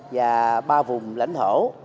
và ba vùng lãnh thổ